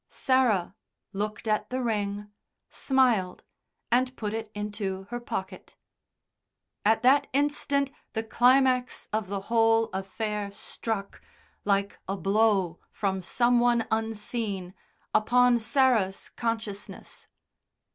Sarah looked at the ring, smiled, and put it into her pocket. At that instant the climax of the whole affair struck, like a blow from some one unseen, upon Sarah's consciousness.